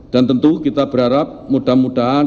dan tentu kita berharap mudah mudahan